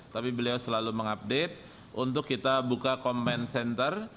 tapi beliau selalu mengupdate untuk kita buka comment center